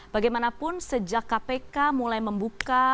bagaimanapun sejak kpk mulai membuka